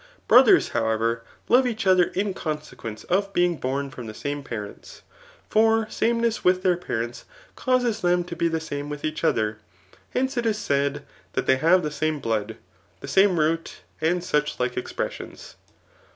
Brothecs,. however, love each other in consequence of beiBg bom bom the same parents) for sameness with thetc|>areats causes d)em to be the same with each other4 Hence it is said, that they have the same Mood, die same root^ and such like expresoons.